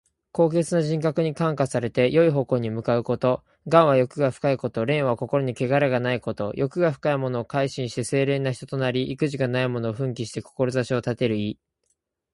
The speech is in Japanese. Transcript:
高潔な人格に感化されて、よい方向に向かうこと。「頑」は欲が深いこと。「廉」は心にけがれがないこと。欲が深いものも改心して清廉な人となり、意気地がないものも奮起して志を立てる意。